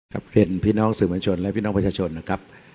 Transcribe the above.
กลับเรียนพี่น้องสื่อมวลชนและพี่น้องประชาชนนะครับ